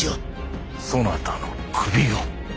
そなたの首よ。